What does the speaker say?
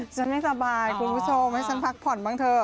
ฉันไม่สบายคุณผู้ชมให้ฉันพักผ่อนบ้างเถอะ